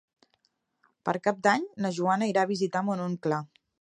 Per Cap d'Any na Joana irà a visitar mon oncle.